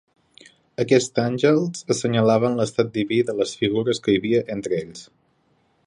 Aquests àngels assenyalaven l'estat diví de les figures que hi havia entre ells.